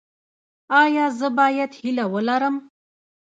ایا زه باید هیله ولرم؟